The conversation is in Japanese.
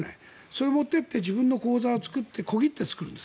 それを持って行って自分の口座を作って小切手を作る。